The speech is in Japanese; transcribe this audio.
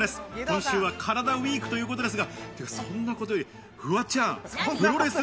今週はカラダＷＥＥＫということですが、そんなことよりフワちゃん、プロレス。